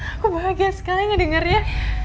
aku bahagia sekali ngedenger ya